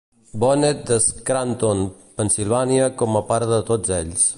Bonnert de Scranton, Pennsilvània com a pare de tots ells.